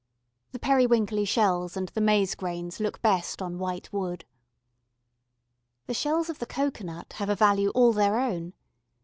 The periwinkly shells and the maize grains look best on white wood. The shells of the cocoanut have a value all their own.